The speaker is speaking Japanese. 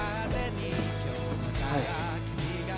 はい。